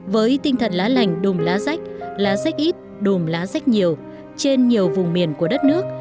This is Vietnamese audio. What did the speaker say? với tinh thần lá lành đùm lá rách lá sách ít đùm lá rách nhiều trên nhiều vùng miền của đất nước